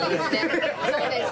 そうです。